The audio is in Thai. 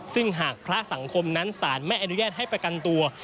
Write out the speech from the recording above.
ซึ่งหากพระสังคมนั้นสารไม่อนุญาตให้ประกันตัว